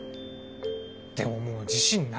でももう自信ないっす。